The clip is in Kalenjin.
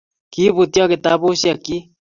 Kibutyo kitabushek chi